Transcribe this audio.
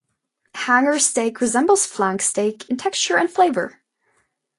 Hanger steak resembles flank steak in texture and flavor.